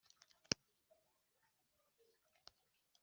ayo mafaranga yose ushaka kuyakoresha iki